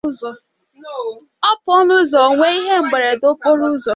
ọ pụọ n'ụzọ o nwee ihe mberede okporo ụzọ